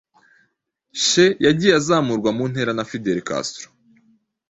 che yagiye azamurwa mu ntera na fidel castro